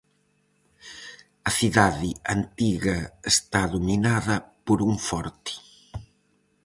A cidade antiga está dominada por un forte.